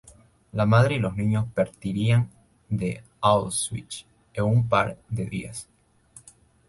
La madre y los niños partirían de Auschwitz en un par de días.